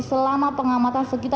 selama pengamatan segera